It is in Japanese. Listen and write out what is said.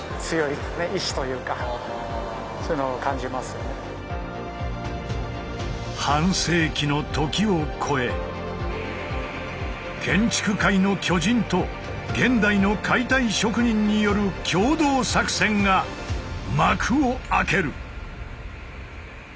やっぱりこの半世紀の時をこえ建築界の巨人と現代の解体職人による共同作戦が幕を開ける！